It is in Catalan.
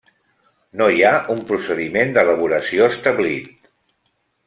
No hi ha un procediment d'elaboració establit.